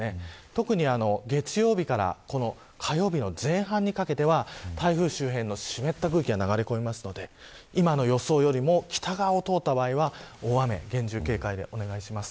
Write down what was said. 特に月曜日から火曜日の前半にかけては台風周辺の湿った空気が流れ込みますので今の予想よりも北側を通った場合は大雨、厳重警戒でお願いします。